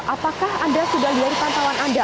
apakah anda sudah lihat pantauan anda